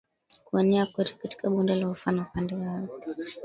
kuenea kote katika Bonde la Ufa na pande za ardhi